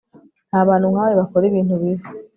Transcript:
Nabantu nkawe bakora ibintu bibi